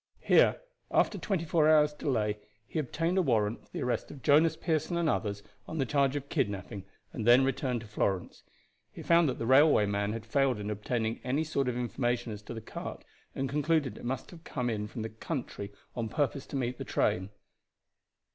Here, after twenty four hours' delay, he obtained a warrant for the arrest of Jonas Pearson and others on the charge of kidnaping, and then returned to Florence. He found that the railway man had failed in obtaining any information as to the cart, and concluded it must have come in from the country on purpose to meet the train.